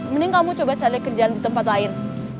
mending kamu coba cari kerjaan di tempat lain